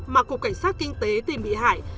mà cục cảnh sát kinh tế tìm bị hại